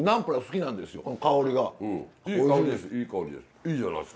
いい香りです。